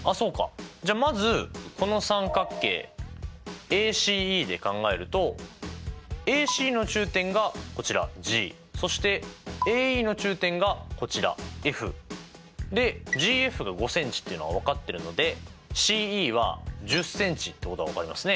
じゃあまずこの三角形ＡＣＥで考えるとＡＣの中点がこちらＧそしてＡＥの中点がこちらＦ。でＧＦが５ｃｍっていうのは分かってるのでＣＥは１０ｃｍってことが分かりますね。